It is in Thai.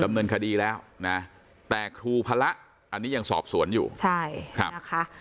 ดำเนินคดีแล้วนะแต่ครูพระอันนี้ยังสอบสวนอยู่ใช่ครับนะคะ